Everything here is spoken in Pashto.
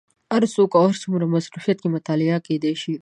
هر وخت او هر څومره مصروفیت کې مطالعه کېدای شي.